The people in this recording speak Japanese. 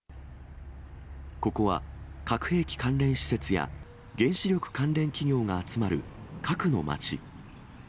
ここは核兵器関連施設や、原子力関連企業が集まる核の町。